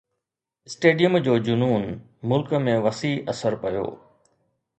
stadium جو جنون ملڪ ۾ وسيع اثر پيو